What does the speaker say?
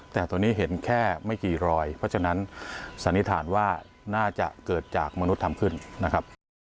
แต่ตัวนี้เห็นแค่ไม่กี่รอยเพราะฉะนั้นสันนิษฐานว่าน่าจะเกิดจากมนุษย์ทำขึ้นนะครับ